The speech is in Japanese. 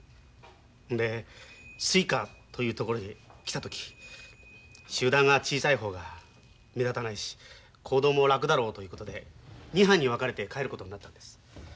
ほんでスイカという所へ来た時集団が小さい方が目立たないし行動も楽だろうということで２班に分かれて帰ることになったんです。